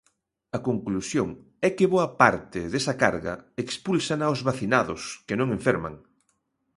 A conclusión é que boa parte desa carga expúlsana os vacinados, que non enferman.